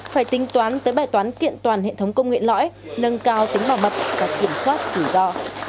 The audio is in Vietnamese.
phải tính toán tới bài toán kiện toàn hệ thống công nguyện lõi nâng cao tính bảo mập và kiểm soát thủ do